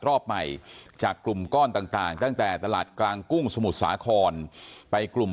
รอบใหม่จากกลุ่มก้อนต่างตั้งแต่ตลาดกลางกุ้งสมุทรสาครไปกลุ่ม